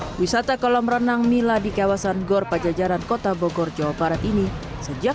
hai wisata kolam renang mila di kawasan gor pajajaran kota bogor jawa barat ini sejak